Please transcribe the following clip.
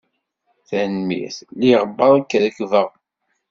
Tanemmirt, lliɣ beṛk reggbeɣ.